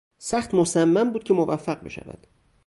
سخت مصمم بود که موفق بشود.